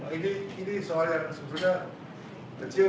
baru menunjuk siapa yang mau mengaksanakan sehari hari